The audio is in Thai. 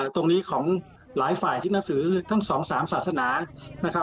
ตรงนี้ลายฝ่ายนักสือสิ่งทั้ง๒๓ศาสนา